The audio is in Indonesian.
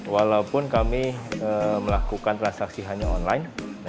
walaupun kami melakukan transaksi hanya online